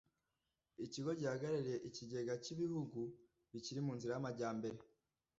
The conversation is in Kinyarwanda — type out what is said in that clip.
ikigo gihagarariye ikigega cy’ibihugu bikiri mu nzira y’amajyambere